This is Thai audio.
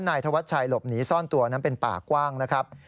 นายธวัชชัยหลบหนีซ่อนตัวนั้นเป็นป่ากว้างนะครับ